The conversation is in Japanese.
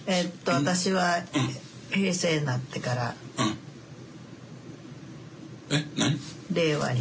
私は平成になってから令和になって。